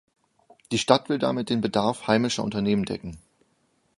Die Stadt will damit den Bedarf heimischer Unternehmen decken.